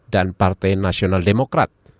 dan partai nasional demokrat